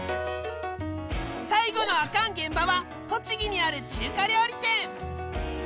最後のアカン現場は栃木にある中華料理店。